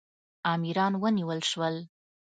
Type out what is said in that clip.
امیران ونیول شول.